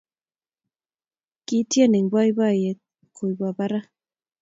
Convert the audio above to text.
ketien eng poipoiyet koipwaa parak